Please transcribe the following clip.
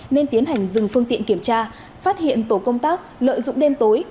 nên tiến hành dừng phương tiện kiểm tra phát hiện tổ công tác lợi dụng đêm tối